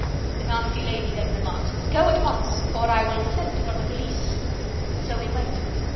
The nasty lady then remarked 'Go at once, or I will send for the police!' So we went.